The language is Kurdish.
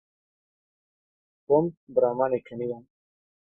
Tom bi ramanê keniya.